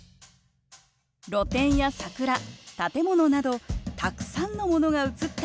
露店や桜建物などたくさんのものが写った写真。